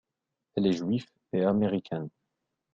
Elle est juive et américaine.